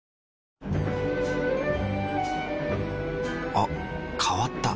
あ変わった。